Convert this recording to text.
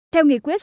theo nghị quyết